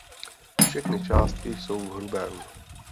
Všechny částky jsou v hrubém.